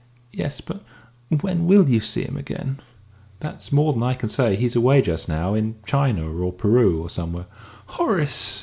"Yes; but when will you see him again?" "That's more than I can say. He's away just now in China, or Peru, or somewhere." "Horace!